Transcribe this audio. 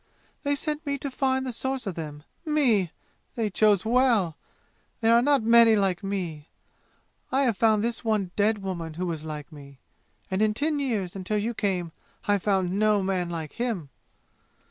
They sent me to find the source of them. Me! They chose well! There are not many like me! I have found this one dead woman who was like me. And in ten years, until you came, I have found no man like Him!"